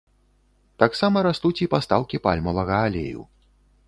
Таксама растуць і пастаўкі пальмавага алею.